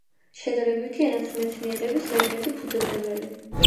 შედარებითი ენათმეცნიერების ერთ-ერთი ფუძემდებელი.